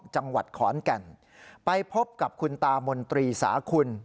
จังหวัดขอนแก่นไปพบกับคุณตามนตรีสาคุณ